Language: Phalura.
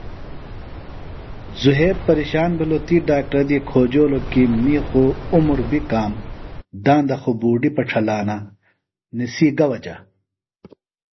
ذُھیب پیرشان بِھلوۡ تی ڈاکٹرہ دی کھوجولوۡ کی می خوۡ عُمر بیۡ کام داندہ خوۡ بُوڈیۡ پڇھلانہ نِسی گہ وجہ۔